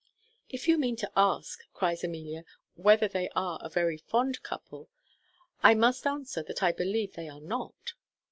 "If you mean to ask," cries Amelia, "whether they are a very fond couple, I must answer that I believe they are not."